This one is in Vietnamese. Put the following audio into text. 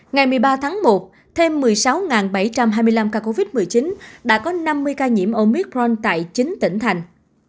ngày một mươi ba tháng một thêm một mươi sáu bảy trăm hai mươi năm ca covid một mươi chín đã có năm mươi ca nhiễm omicron tại chín tỉnh thành